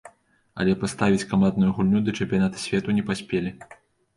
Але паставіць камандную гульню да чэмпіяната свету не паспелі.